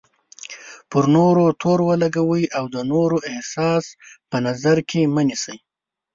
پر نورو تور ولګوئ او د نورو احساس په نظر کې مه نیسئ.